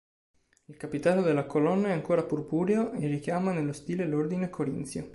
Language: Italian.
Il capitello della colonna è ancora purpureo e richiama nello stile l'ordine corinzio.